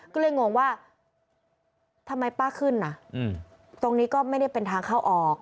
ก็เลยงงว่าทำไมป้าขึ้นน่ะตรงนี้ก็ไม่ได้เป็นทางเข้าออก